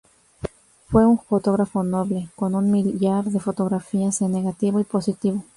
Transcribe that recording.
Fue un fotógrafo notable, con un millar de fotografías en negativo y positivo.